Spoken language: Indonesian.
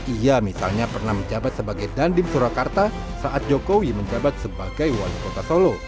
ia misalnya pernah menjabat sebagai dandim surakarta saat jokowi menjabat sebagai wali kota solo